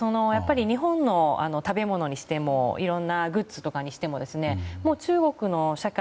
日本の食べ物にしてもいろんなグッズとかにしても中国の社会